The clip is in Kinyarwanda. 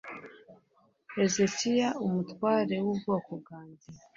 hezekiya umutware w ubwoko bwanjye